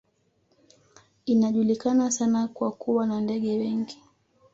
Inajulikana sana kwa kuwa na ndege wengi